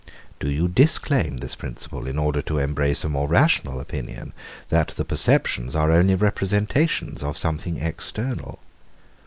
Do you disclaim this principle, in order to embrace a more rational opinion, that the perceptions are only representations of something external?